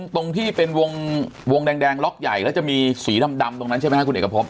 ตรงที่เป็นวงแดงล็อกใหญ่แล้วจะมีสีดำตรงนั้นใช่ไหมครับคุณเอกพบ